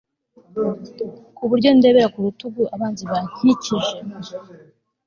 ku buryo ndebera ku rutugu abanzi bankikije